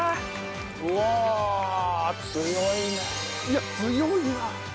いや強いな。